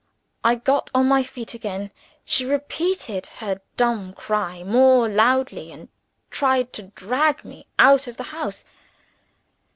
I got on my feet again. She repeated her dumb cry more loudly and tried to drag me out of the house.